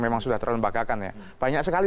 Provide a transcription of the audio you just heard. memang sudah terlembagakan ya banyak sekali